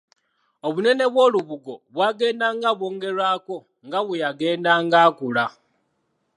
Obunene bw’olubugo bwagendanga bwongerwako nga bwe yagendanga akula.